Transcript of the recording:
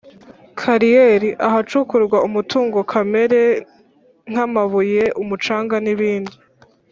kariyeri: ahacukurwa umutungo kamere nk’amabuye, umucanga n’ibindi